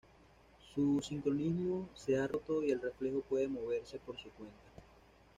Su sincronismo se ha roto y el reflejo puede moverse por su cuenta.